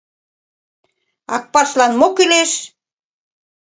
Акпарслан мо кӱлеш!..